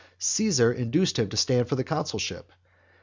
Caesar induced him to stand for the consulship.